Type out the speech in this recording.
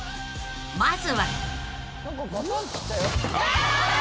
［まずは］